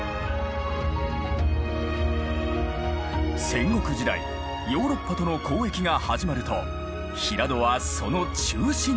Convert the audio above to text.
戦国時代ヨーロッパとの交易が始まると平戸はその中心地に。